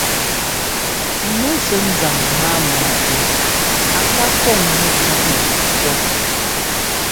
Nu sɛ́ ńzaŋ máama tɛ a ká kɔŋ mɛcɔ̌tnu pɔ́́.